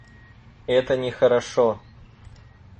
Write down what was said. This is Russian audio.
Это нехорошо!